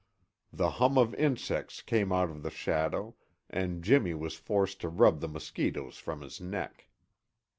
The hum of insects came out of the shadow, and Jimmy was forced to rub the mosquitoes from his neck.